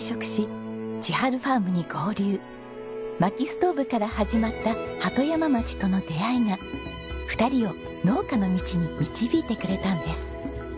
薪ストーブから始まった鳩山町との出会いが２人を農家の道に導いてくれたんです。